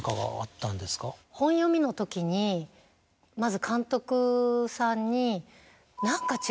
本読みのときにまず監督さんに。